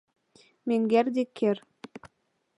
— Менгер Деккер...